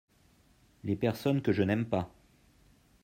Les personnes que je n'aime pas.